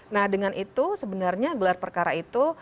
nah dengan itu sebenarnya gelar perkara itu